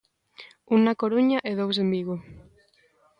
Un na Coruña e dous en Vigo.